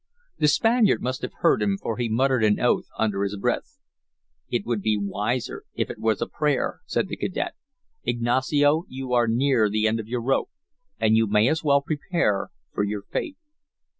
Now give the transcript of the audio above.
The Spaniard must have heard him, for he muttered an oath under his breath. "It would be wiser if it was a prayer," said the cadet. "Ignacio, you are near the end of your rope, and you may as well prepare for your fate."